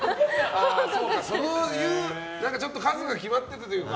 そういう数が決まってるものというか。